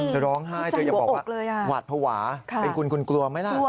เธอร้องไห้เธอจะบอกว่าหวาดภวาเป็นคนคุณกลัวไหมล่ะโอ้โห